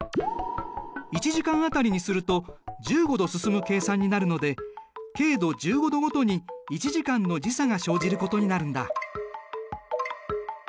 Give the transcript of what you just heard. １時間当たりにすると１５度進む計算になるので経度１５度ごとに１時間の時差が生じることになるんだ。